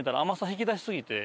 引き出しすぎて？